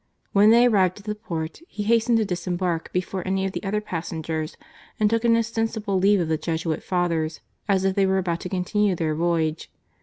When they arrived at the port, he hastened to disembark before any of the other passengers and took an ostensible leave of the Jesuit Fathers, as if they were about to continue their voyage.